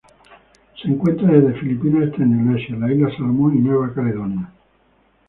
Se encuentra desde Filipinas hasta Indonesia, las Islas Salomón y Nueva Caledonia.